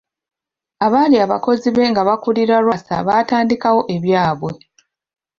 Abaali abakozi be nga bakulirwa Lwasa batandikawo ebyabwe